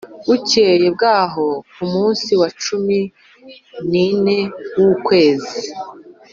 Bukeye bwaho ku munsi wa cumi n ine w ukwezi